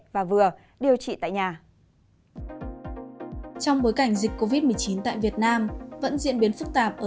và vừa điều trị tại nhà trong bối cảnh dịch covid một mươi chín tại việt nam vẫn diễn biến phức tạp ở